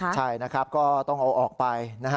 ใช่ก็ต้องเอาออกไป